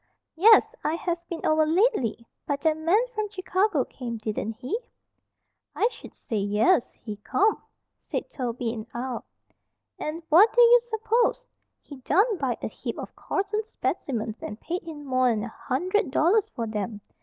"Yes. I haven't been over lately. But that man from Chicago came, didn't he?" "I sh'd say 'yes'! He come," said Toby, in awe. "An' what d'ye s'pose? He done buyed a heap of Corson's spec'mens an' paid him more'n a hundred dollars for 'em.